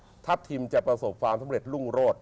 ว่าทับทิมจะประสบความสำเร็จลุ่นโลก